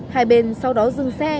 hai bên sau đó dưng xe